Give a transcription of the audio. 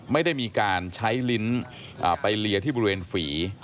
ไม่ได้มีการใช้ลิ้นไปเลียที่บริเวณฝี